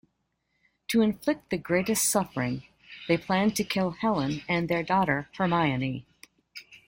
To inflict the greatest suffering, they plan to kill Helen and their daughter, Hermione.